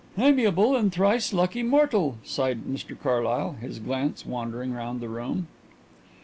"Amiable and thrice lucky mortal," sighed Mr Carlyle, his glance wandering round the room.